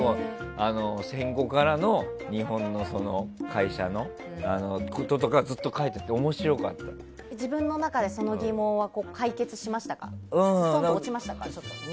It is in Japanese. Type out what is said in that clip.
戦後からの日本の会社のこととかずっと書いてあって自分の中でその疑問は解決しましたか？